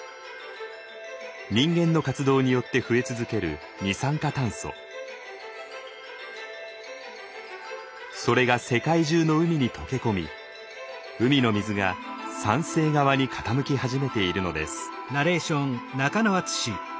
人間の活動によって増え続けるそれが世界中の海に溶け込み海の水が酸性側に傾き始めているのです。